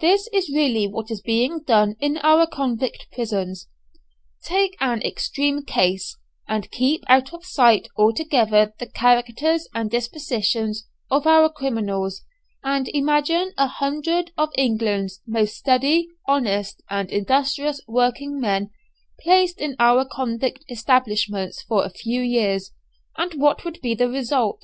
This is really what is being done in our convict prisons. Take an extreme case, and keep out of sight altogether the characters and dispositions of our criminals, and imagine a hundred of England's most steady, honest, and industrious working men placed in our convict establishments for a few years, and what would be the result?